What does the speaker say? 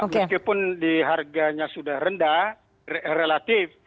meskipun di harganya sudah rendah relatif